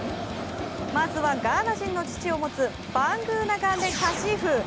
まずはガーナ人の父を持つバングーナガンデ佳史扶。